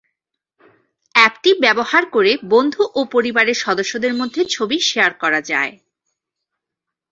অ্যাপটি ব্যবহার করে বন্ধু ও পরিবারের সদস্যদের মধ্যে ছবি শেয়ার করা যায়।